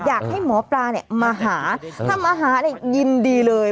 อยากให้หมอปลาเนี่ยมาหาถ้ามาหาเนี่ยยินดีเลย